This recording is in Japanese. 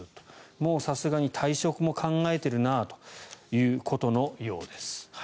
もうさすがに退職も考えているということのようです。